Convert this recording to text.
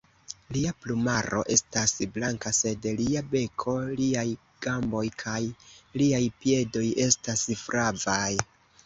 Lia plumaro estas blanka, sed lia beko, liaj gamboj kaj liaj piedoj estas flavaj.